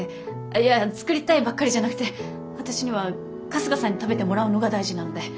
いや作りたいばっかりじゃなくて私には春日さんに食べてもらうのが大事なので。